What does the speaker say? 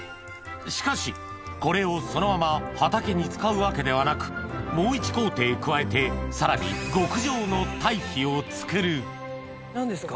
しかしこれをそのまま畑に使うわけではなくもう１工程加えてさらに極上の堆肥を作る何ですか？